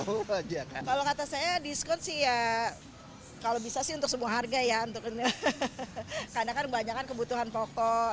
kalau kata saya diskon sih ya kalau bisa sih untuk semua harga ya karena kan banyak kan kebutuhan pokok